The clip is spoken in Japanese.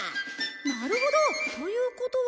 なるほど！ということは。